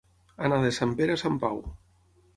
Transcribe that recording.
Anar de sant Pere a sant Pau.